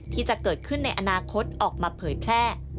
ที่จะเกิดขึ้นในอนาคตออกมาเผยแพร่